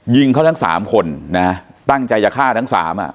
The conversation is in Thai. ยิงเขาทั้งสามคนนะตั้งใจจะฆ่าทั้งสามอ่ะ